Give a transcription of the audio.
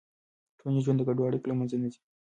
ټولنیز ژوند د ګډو اړیکو له منځه نه ځي.